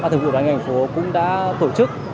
thực vụ đoàn ngành phố cũng đã tổ chức